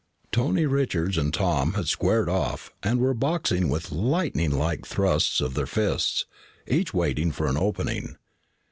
Tony Richards and Tom had squared off and were boxing with lightninglike thrusts of their fists, each waiting for an opening.